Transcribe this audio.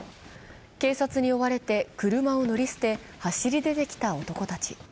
警察に追われて車を乗り捨て走り出てきた男たち。